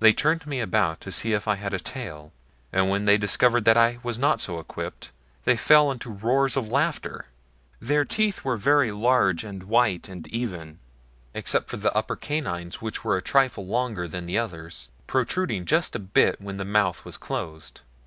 They turned me about to see if I had a tail, and when they discovered that I was not so equipped they fell into roars of laughter. Their teeth were very large and white and even, except for the upper canines which were a trifle longer than the others protruding just a bit when the mouth was closed.